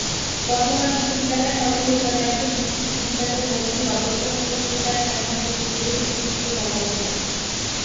বর্ধমান বিশ্ববিদ্যালয়ের মাননীয় উপাচার্য দু'টি বিশ্ববিদ্যালয়ের মধ্যে গবেষণা সহযোগিতার সম্ভাব্য ক্ষেত্রগুলি বিশদভাবে বর্ণনা করেছেন।